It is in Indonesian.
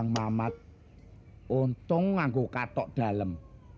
magma untuk ngaku katok dalem